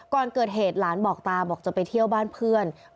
ก่อนเกิดเหตุหลานบอกตาบอกจะไปเที่ยวบ้านเพื่อน